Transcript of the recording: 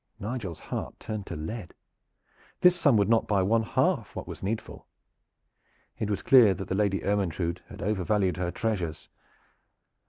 Nigel's heart turned to lead. This sum would not buy one half what was needful. It was clear that the Lady Ermyntrude had overvalued her treasures.